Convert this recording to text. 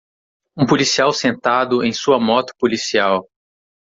Um policial sentado em sua moto policial.